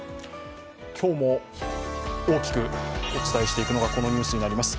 今日も大きくお伝えしていくのがこのニュースになります。